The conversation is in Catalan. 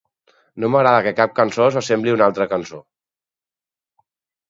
No m'agrada que cap cançó s'assembli a una altra cançó.